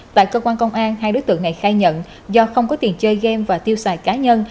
tại cơ quan công an hai đối tượng này khai nhận do không có tiền chơi game và tiêu xài cá nhân